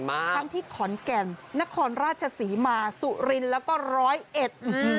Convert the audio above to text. ทั้งที่ขอนแก่นนครราชศรีมาสุรินทร์แล้วก็ร้อยเอ็ดอืม